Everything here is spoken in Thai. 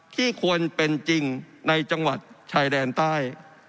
ควรเป็นจริงในจังหวัดชายแดนใต้